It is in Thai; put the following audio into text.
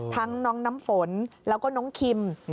ทั้งน้องน้ำฝนแล้วก็น้องคิม